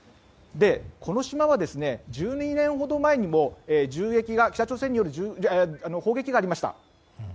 この島は、１２年ほど前にも北朝鮮による砲撃がありました。